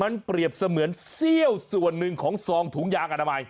มันเปรียบเสมือนเสี้ยวส่วนหนึ่งของซองถุงยางอนามัย